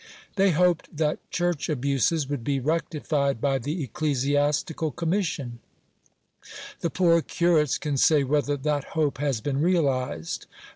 They hoped that Church abuses would be rectified by the Ecclesiastical Commission: the poor curates can say whether that hope has been realized.